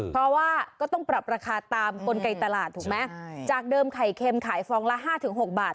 เพราะว่าก็ต้องปรับราคาตามกลไกตลาดถูกไหมจากเดิมไข่เค็มขายฟองละ๕๖บาท